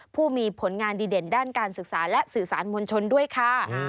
ผู้มีผลงานดีเด่นด้านการศึกษาและสื่อสารมวลชนด้วยค่ะ